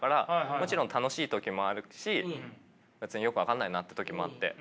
もちろん楽しい時もあるし別によく分かんないなって時もあって。